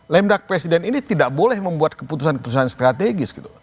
lemdak presiden ini tidak boleh membuat keputusan keputusan strategis gitu